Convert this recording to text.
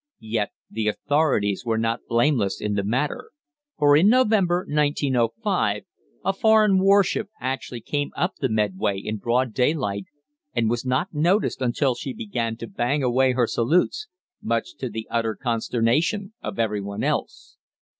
Yet the authorities were not blameless in the matter, for in November, 1905, a foreign warship actually came up the Medway in broad daylight, and was not noticed until she began to bang away her salutes, much to the utter consternation of every one.